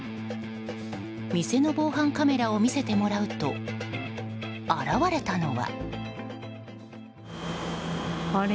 店の防犯カメラを見せてもらうと現れたのは。